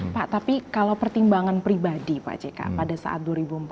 pak tapi kalau pertimbangan pribadi pak jk pada saat dua ribu empat belas